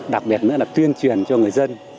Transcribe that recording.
đặc biệt nữa là tuyên truyền cho người dân